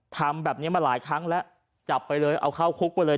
ทำแบบนี้มาหลายครั้งแล้วจับไปเลยเอาเข้าคุกไปเลย